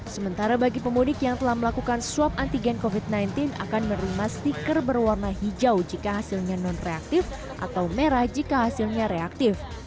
sementara bagi pemudik yang telah melakukan swab antigen covid sembilan belas akan menerima stiker berwarna hijau jika hasilnya non reaktif atau merah jika hasilnya reaktif